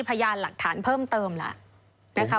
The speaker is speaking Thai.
พยานหลักฐานเพิ่มเติมละ